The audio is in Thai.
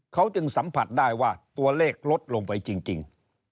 เขาจึงสัมผัสได้ว่าตัวเลขลดลงไปจริง